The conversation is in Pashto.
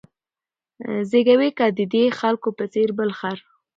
زېږوې که د دې خلکو په څېر بل خر